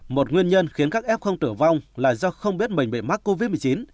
một nguyên nhân khiến các f tử vong là do không biết mình bị mắc covid một mươi chín